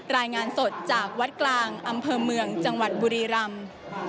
รายงานสดจากวัดกลางอำเภอเมืองจังหวัดบุรีรำ